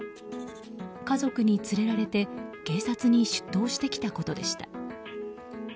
家族に連れられて警察に出頭してきたことでした。